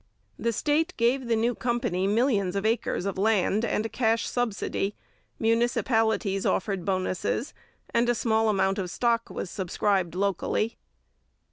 The state gave the new company millions of acres of land and a cash subsidy, municipalities offered bonuses, and a small amount of stock was subscribed locally.